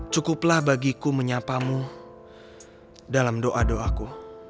cukuplah bagiku menyapamu dalam doa doaku